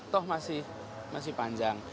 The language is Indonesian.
toh masih panjang